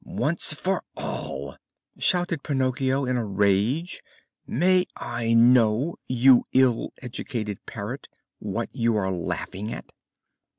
"Once for all," shouted Pinocchio in a rage, "may I know, you ill educated Parrot, what you are laughing at?"